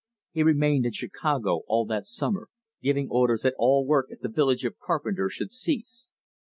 He remained in Chicago all that summer, giving orders that all work at the village of Carpenter should cease.